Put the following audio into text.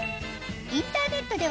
インターネットでは